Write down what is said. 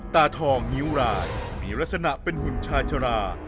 ตาทองนิ้วรายมีลักษณะเป็นหุ่นชาชรา